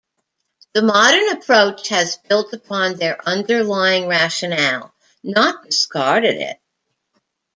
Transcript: The modern approach has built upon their underlying rationale, not discarded it.